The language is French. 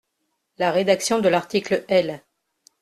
La rédaction de l’article L.